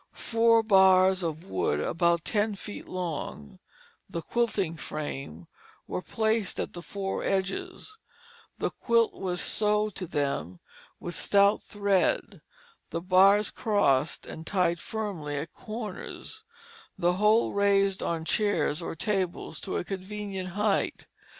Four bars of wood, about ten feet long, "the quiltin' frame," were placed at the four edges, the quilt was sewed to them with stout thread, the bars crossed and tied firmly at corners, and the whole raised on chairs or tables to a convenient height.